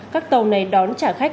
các tàu này đón trả khách